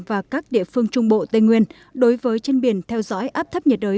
và các địa phương trung bộ tây nguyên đối với trên biển theo dõi áp thấp nhiệt đới